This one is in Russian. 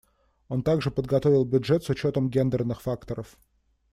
Он также подготовил бюджет с учетом гендерных факторов.